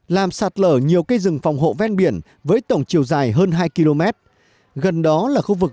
làm sạt lở nhiều cây rừng phòng hộ ven biển với tổng chiều dài hơn hai km gần đó là khu vực